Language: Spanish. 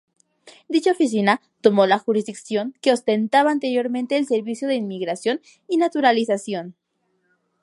Dicha oficina tomó la jurisdicción que ostentaba anteriormente el servicio de inmigración y naturalización.